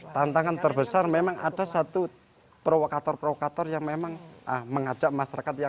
tantangan terbesar memang ada satu provokator provokator yang memang mengajak masyarakat yang